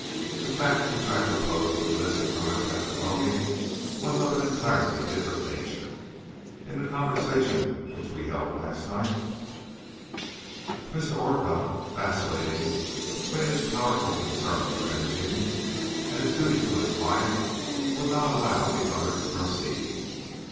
The fact which I proposed to elicit from her testimony was of an entirely different nature. In the conversation which we held last night " But Mr. Orcutt, vacillating between his powerful concern for Imogene, and his duty to his client, would not allow the other to proceed.